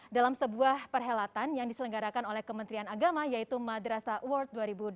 dalam sebuah perhelatan yang diselenggarakan oleh kementerian agama yaitu madrasa award dua ribu dua puluh